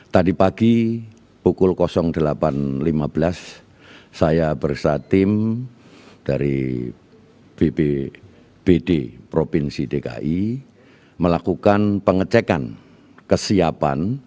tadi pagi pukul delapan lima belas saya bersama tim dari bpd provinsi dki melakukan pengecekan kesiapan